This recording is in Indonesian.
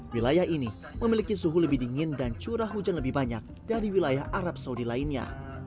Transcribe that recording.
wilayah ini memiliki suhu lebih dingin dan curah hujan lebih banyak dari wilayah arab saudi lainnya